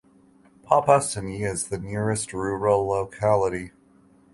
Popasny is the nearest rural locality.